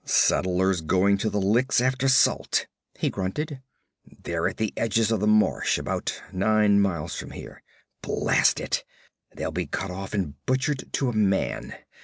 'Settlers going to the licks after salt,' he grunted. 'They're at the edges of the marsh, about nine miles from here. Blast it! They'll be cut off and butchered to a man!